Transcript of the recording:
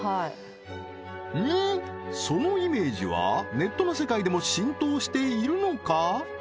そのイメージはネットの世界でも浸透しているのか？